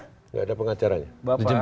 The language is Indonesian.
tidak ada pengacaranya bapak